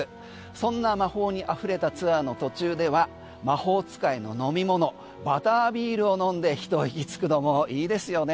そんな魔法にあふれたツアーの途中では魔法使いの飲み物バタービールを飲んで一息つくのもいいですよね。